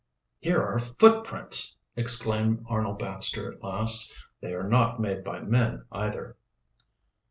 "Here are footprints!" exclaimed Arnold Baxter, at last. "They are not made by men, either."